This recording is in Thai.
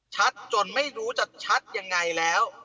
จนไม่รู้จะชัดยังไงแล้ว